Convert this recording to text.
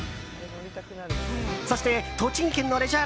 そして、栃木県のレジャー